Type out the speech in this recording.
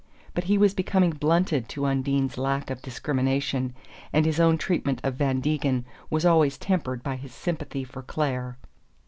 But he was becoming blunted to Undine's lack of discrimination; and his own treatment of Van Degen was always tempered by his sympathy for Clare.